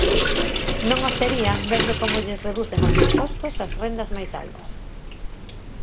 Non o serían vendo como lles reducen os impostos ás rendas máis altas.